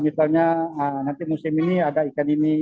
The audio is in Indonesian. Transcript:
misalnya nanti musim ini ada ikan ini